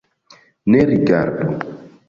Ne rigardu!